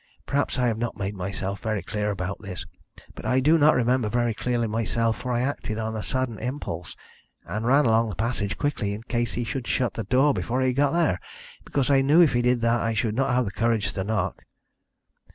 Perhaps I have not made myself very clear about this, but I do not remember very clearly myself, for I acted on a sudden impulse, and ran along the passage quickly, in case he should shut his door before I got there, because I knew if he did that I should not have the courage to knock.